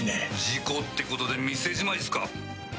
事故ってことで店じまいですか！